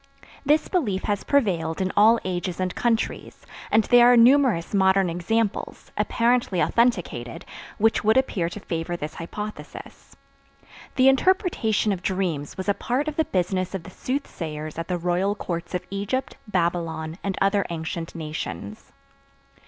This belief has prevailed in all ages and countries, and there are numerous modern examples, apparently authenticated, which would appear to favor this hypothesis. The interpretation of dreams was a part of the business of the soothsayers at the royal courts of Egypt, Babylon and other ancient nations.